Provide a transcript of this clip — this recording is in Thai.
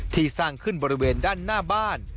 สร้างขึ้นบริเวณด้านหน้าบ้าน